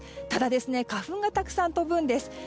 ただ、花粉がたくさん飛ぶんです。